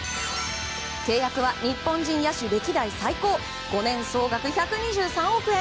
契約は日本人野手歴代最高５年総額１２３億円。